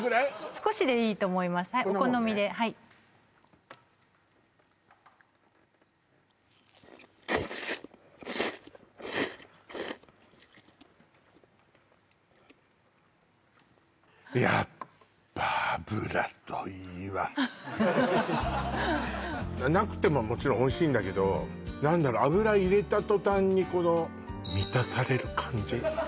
少しでいいと思いますお好みではいこんなもんねなくてももちろんおいしいんだけど何だろう油入れた途端にこの満たされる感じ？